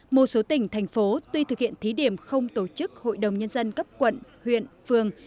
một số tỉnh thành phố tuy thực hiện thí điểm không tổ chức hội đồng nhân dân cấp quận huyện phường